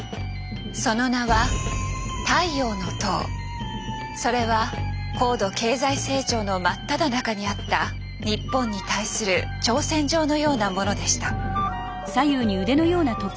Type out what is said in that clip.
その名は「太陽の塔」。それは高度経済成長の真っただ中にあった日本に対する挑戦状のようなものでした。